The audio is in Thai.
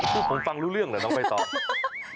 คือผมฟังรู้เรื่องเหรอเนาะน้องใบศอร์